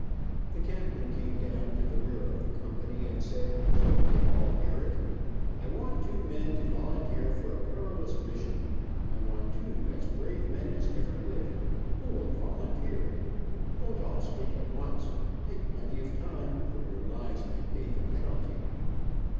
The captain came down to the rear of the company and said, so we could all hear it. "I want two men to volunteer for a perilous mission. I want two as brave men as ever lived. Who will volunteer? Don't all speak at once. Take plenty of time, for your lives may pay the penalty!"